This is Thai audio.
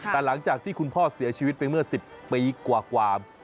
แต่หลังจากที่คุณพ่อเสียชีวิตไปเมื่อ๑๐ปีกว่า